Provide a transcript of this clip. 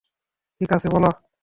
ঠিক আছে, বল।